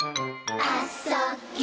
「あ・そ・ぎゅ」